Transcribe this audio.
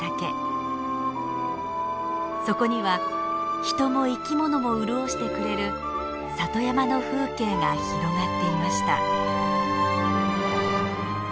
そこには人も生きものも潤してくれる里山の風景が広がっていました。